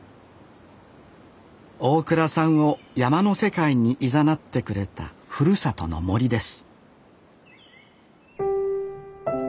大蔵さんを山の世界にいざなってくれたふるさとの森です